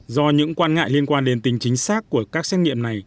do những quan ngại liên quan đến tính chính xác của các xét nghiệm này